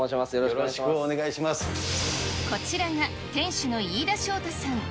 こちらが店主の飯田将太さん。